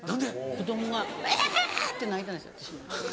子供がうわ！って泣いたんですよ。